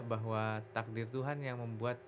bahwa takdir tuhan yang membuat